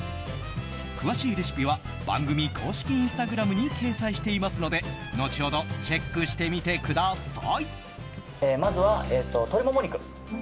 詳しいレシピは番組公式インスタグラムに掲載していますので後ほどチェックしてみてください。